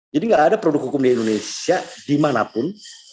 jadi nggak ada produk hukum di indonesia dimanapun